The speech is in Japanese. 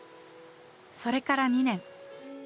それから２年。